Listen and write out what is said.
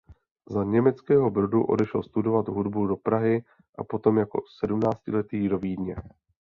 Z Německého Brodu odešel studovat hudbu do Prahy a potom jako sedmnáctiletý do Vídně.